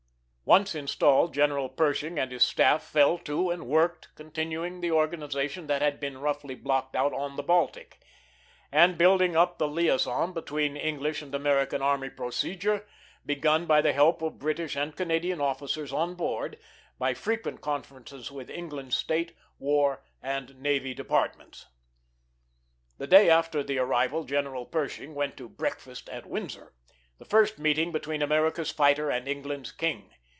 Once installed, General Pershing and his staff fell to and worked, continuing the organization that had been roughly blocked out on the Baltic, and building up the liaison between English and American army procedure, begun by the help of British and Canadian officers on board, by frequent conferences with England's State, War, and Navy Departments. The day after the arrival General Pershing went to "breakfast at Windsor," the first meeting between America's fighter and England's King.